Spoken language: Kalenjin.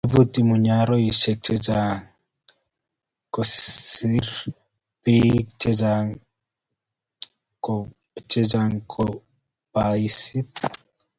iputi mungaroshek che chang kotinge sire pik che chwaget kopais